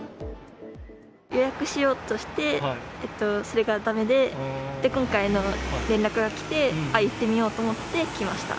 予約しようとして、それがだめで、今回の連絡が来て、行ってみようと思ってきました。